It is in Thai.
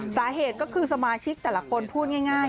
สาเหตุก็คือสมาชิกแต่ละคนพูดง่าย